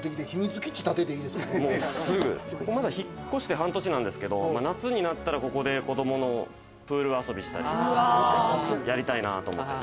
まだ引っ越して半年なんですけど、夏になったら、ここで子供のプール遊びしたり、やりたいなって。